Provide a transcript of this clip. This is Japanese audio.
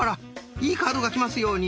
いいカードが来ますように。